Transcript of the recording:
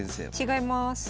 違います。